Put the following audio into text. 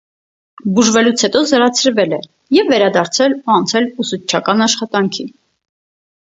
Բուժվելուց հետո զորացրվել է և վերադարձել ու անցել ուսուցչական աշխատանքի։